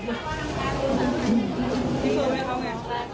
พอแล้ว